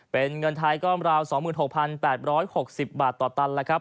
เป็นเงินไทยก้อมราว๒๖๘๖๐บาทต่อตัน